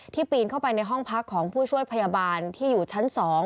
ปีนเข้าไปในห้องพักของผู้ช่วยพยาบาลที่อยู่ชั้น๒